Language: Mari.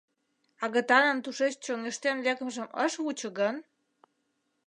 Агытанын тушеч чоҥештен лекмыжым ыш вучо гын?